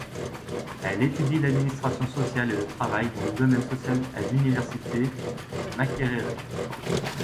Elle étudie l'administration sociale et le travail dans le domaine social à l'Université Makerere.